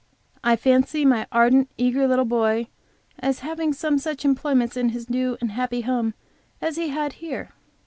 I fancy my ardent, eager little boy as having some such employments in his new and happy home as he had here.